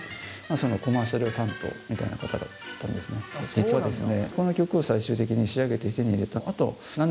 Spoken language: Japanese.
実はですね。